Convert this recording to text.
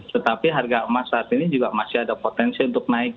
tetapi harga emas saat ini juga masih ada potensi untuk naik